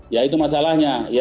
ya itu masalahnya